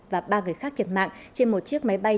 và ba người khác thiệt mạng trên một chiếc máy bay